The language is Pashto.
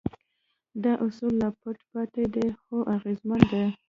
دا اصول لا پټ پاتې دي خو اغېزمن دي.